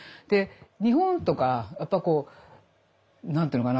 日本とかやっぱこう何て言うのかな